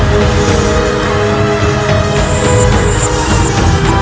dan sesuai dengan kebelakangannya